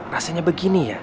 rasanya begini ya